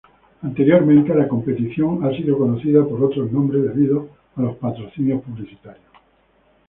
Anteriormente, la competición ha sido conocida por otros nombres debido a los patrocinios publicitarios.